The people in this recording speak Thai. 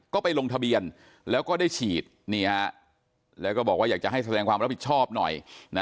ก็ไปลงทะเบียนแล้วก็ได้ฉีดแล้วก็บอกว่าอยากจะให้แสดงความรับผิดชอบหน่อย